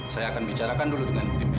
saya akan bicarakan dulu dengan timnya